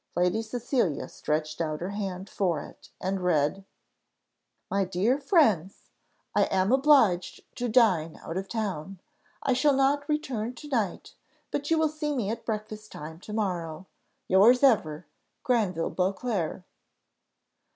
Lady Cecilia stretched out her hand for it, and read, "MY DEAR FRIENDS, I am obliged to dine out of town. I shall not return to night, but you will see me at breakfast time to morrow. Yours ever, GRANVILLE BEAUCLERC."